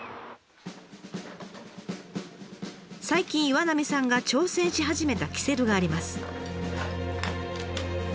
最近岩浪さんが挑戦し始めたキセルがあります。